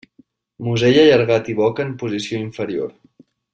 Musell allargat i boca en posició inferior.